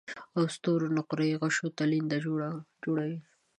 او د ستورو نقره يي غشو ته لینده جوړوي